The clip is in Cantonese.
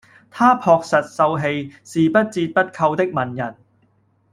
他樸實、秀氣，是不折不扣的文人